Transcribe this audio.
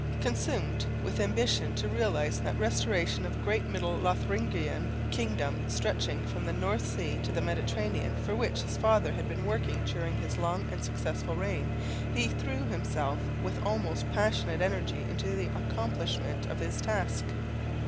Consumed with ambition to realise that restoration of a great middle Lotharingian kingdom stretching from the North Sea to the Mediterranean, for which his father had been working during his long and successful reign, he threw himself with almost passionate energy into the accomplishment of his task.